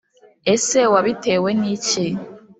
ese wabitewe n'iki ?